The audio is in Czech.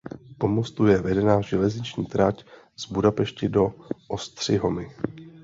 Po mostu je vedena železniční trať z Budapešti do Ostřihomi.